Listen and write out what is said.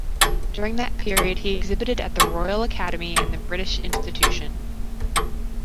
During that period he exhibited at the Royal Academy and the British Institution.